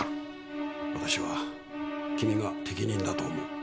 私は君が適任だと思う。